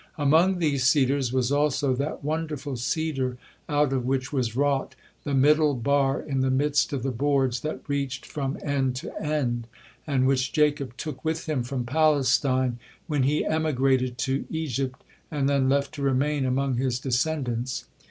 Among these cedars was also that wonderful cedar out of which was wrought "the middle bar in the midst of the boards, that reached from end to end," and which Jacob took with him from Palestine when he emigrated to Egypt, and then left to remain among his descendants.